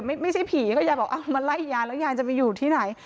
ไม่ใช่ผีก็ยายบอกเอามาไล่ยายแล้วยายจะไปอยู่ที่ไหน